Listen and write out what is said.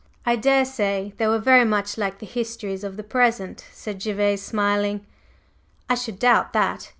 "I daresay they were very much like the histories of the present," said Gervase smiling. "I should doubt that.